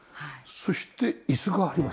そして椅子があります。